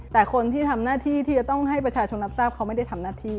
แต่คนที่ทำหน้าที่ที่จะต้องให้ประชาชนรับทราบเขาไม่ได้ทำหน้าที่